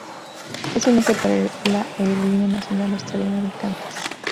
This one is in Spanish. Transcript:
Es un eje para la aerolínea nacional australiana de Qantas.